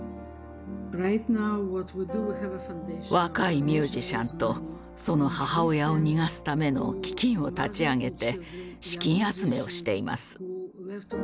若いミュージシャンとその母親を逃がすための基金を立ち上げて資金集めをしています。